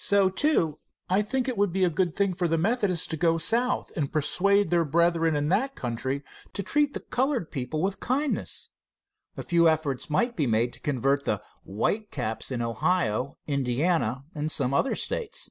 So, too, I think it would be a good thing for the Methodists to go South and persuade their brethren in that country to treat the colored people with kindness. A few efforts might be made to convert the "White caps" in Ohio, Indiana and some other States.